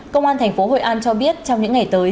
công an tp hội an cho biết trong những ngày tới